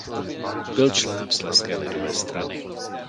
Byl členem Slezské lidové strany.